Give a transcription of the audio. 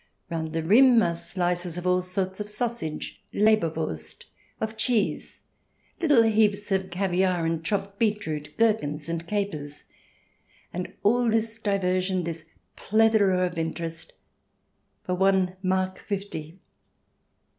Round the rim are slices of all sorts of sausage — Leber Wurst — of cheese ; little heaps of caviare and chopped beetroot, gherkins and capers. And all this diversion, this plethora of interest, for one mark fifty!